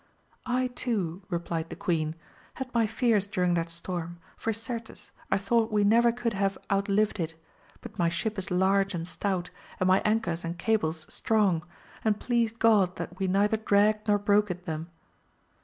I too, replied the queen, had my fears during that storm, for certes, I thought we never could have outlived it, but my ship is large and stout, and my anchors and cables strong, and pleased God that we neither dragged nor broke it them.